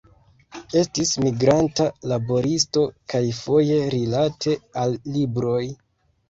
Estis migranta laboristo kaj foje rilate al libroj.